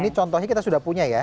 ini contohnya kita sudah punya ya